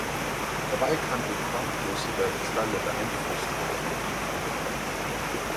Dabei kann die Korngröße der Kristalle beeinflusst werden.